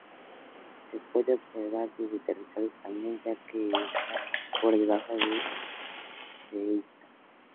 Se puede observar desde territorio español, ya que está por debajo de Ceuta.